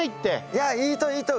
いやいいといいと。